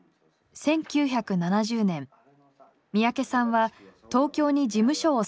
１９７０年三宅さんは東京に事務所を設立。